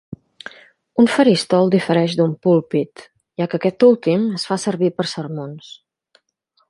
Un faristol difereix d'un púlpit, ja que aquest últim es fa servir per a sermons.